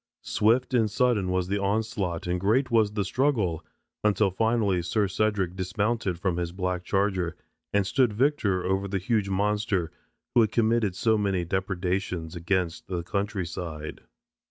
Swift and sudden was the onslaught and great was the struggle, until finally Sir Cedric dismounted from his black charger and stood victor over the huge monster who had committed so many depredations against the country side."